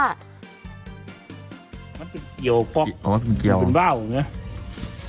มันเป็นเกี่ยวก็อ๋อมันเป็นเกี่ยวมันเป็นว่าวเนี้ย